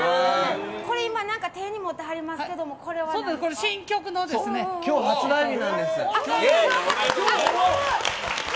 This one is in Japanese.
これ今手に持ってはりますけど新曲の、今日発売日なんです。